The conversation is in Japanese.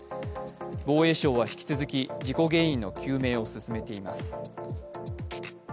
防衛省は引き続き事故原因の究明を進めています。